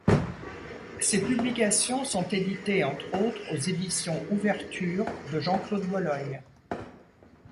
Ses publications sont éditées, entre autres, aux éditions Ouvertures de Jean Claude Bologne.